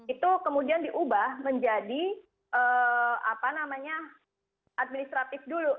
itu kemudian diubah menjadi administratif dulu